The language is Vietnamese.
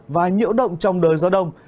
và nhiễu động trong đời gió đông